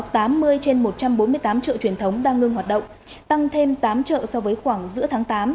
trên một trăm bốn mươi tám chợ truyền thống đang ngưng hoạt động tăng thêm tám chợ so với khoảng giữa tháng tám